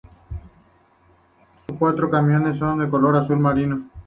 Los cuatro camiones son de color azul marino.